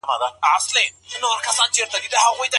څنګه ځايي بڼوال خالص زعفران هند ته لیږدوي؟